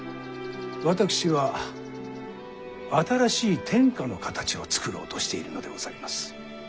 私は新しい天下の形を作ろうとしているのでございます。